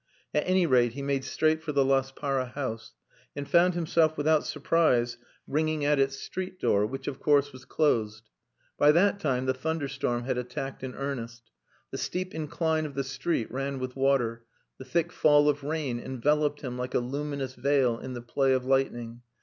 At any rate, he made straight for the Laspara house, and found himself without surprise ringing at its street door, which, of course, was closed. By that time the thunderstorm had attacked in earnest. The steep incline of the street ran with water, the thick fall of rain enveloped him like a luminous veil in the play of lightning.